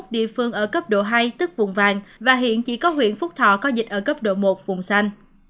hai mươi một địa phương ở cấp độ hai tức vùng vàng và hiện chỉ có huyện phúc thọ có dịch ở cấp độ một vùng xanh